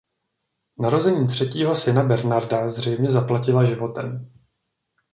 Narození třetího syna Bernarda zřejmě zaplatila životem.